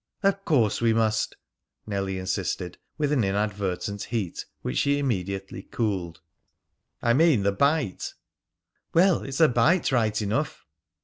"Of course we must," Nellie insisted, with an inadvertent heat which she immediately cooled. "I mean the bite." "Well it's a bite right enough."